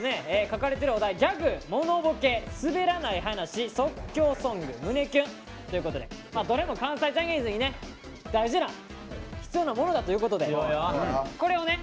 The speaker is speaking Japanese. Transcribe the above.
書かれてるお題ギャグ・モノボケ・すべらない話即興ソング・胸キュンということでどれも関西ジャニーズにね大事な必要なものだということでこれをね